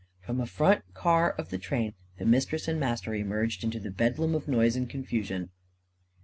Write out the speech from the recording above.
From a front car of the train the Mistress and the Master emerged into a bedlam of noise and confusion.